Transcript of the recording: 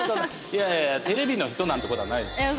いやいやテレビの人なんて事はないですから。